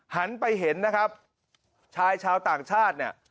หันไปเห็นนะครับชายชาวต่างชาติเนี่ย